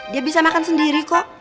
dia bisa makan sendiri kok